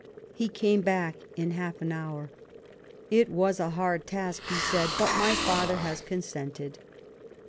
He came back in half an hour, " It was a hard task," he said ;" but my father has consented."